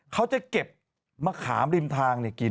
เขาจะเก็บมะขามริมทางกิน